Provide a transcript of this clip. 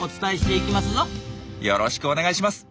よろしくお願いします。